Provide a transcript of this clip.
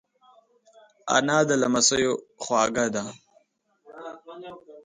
انا د لمسیو خواږه ده